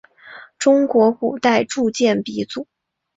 中国古代铸剑鼻祖。